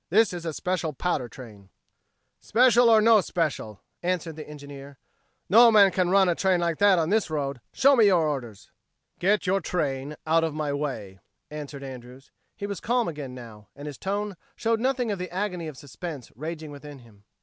"This is a special powder train." "Special or no special," answered the engineer, "no man can run a train like that on this road. Show me your orders." "Get your train out of my way," answered Andrews. He was calm again now, and his tone showed nothing of the agony of suspense raging within him.